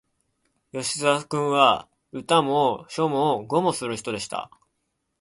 吉沢君は、歌も書も碁もする人でした